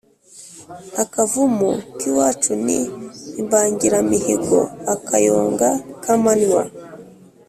Akavumu k'iwacu ni imbangiramihigo-Akayonga k'amanywa.